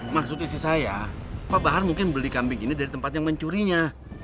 maksud isi saya pak bahar mungkin beli kambing ini dari tempat yang mencurinya